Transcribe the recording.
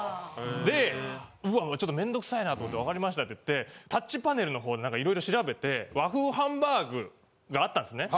でうわっちょっと面倒くさいなと思って「わかりました」って言ってタッチパネルの方何かいろいろ調べて和風ハンバーグがあったんっすね。